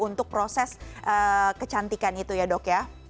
untuk proses kecantikan itu ya dok ya